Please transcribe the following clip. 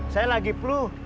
saya lagi peluh